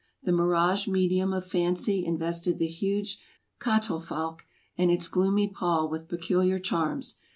The mirage medium of fancy invested the huge catafalque and its gloomy pall with peculiar charms.